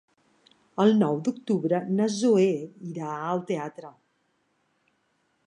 El nou d'octubre na Zoè irà al teatre.